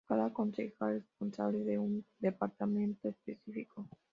Cada concejal es responsable de un departamento específico.